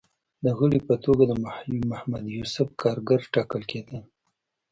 د غړي په توګه د محمد یوسف کارګر ټاکل کېدل